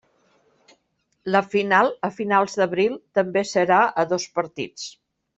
La final, a finals d'abril, també serà a dos partits.